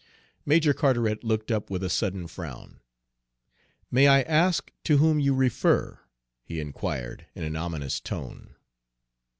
Major Carteret looked up with a sudden frown. "May I ask to whom you refer?" he inquired, in an ominous tone.